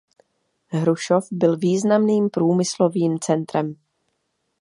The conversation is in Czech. Hrušov byl významným průmyslovým centrem.